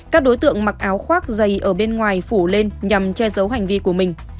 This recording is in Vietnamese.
các đối tượng mặc áo khoác dày ở bên ngoài phủ lên nhằm che giấu hành vi của mình